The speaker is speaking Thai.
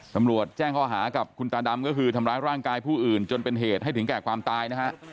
ตำรวจแจ้งข้อหากับคุณตาดำก็คือทำร้ายร่างกายผู้อื่นจนเป็นเหตุให้ถึงแก่ความตายนะฮะ